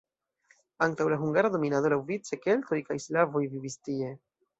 Antaŭ la hungara dominado laŭvice keltoj kaj slavoj vivis tie.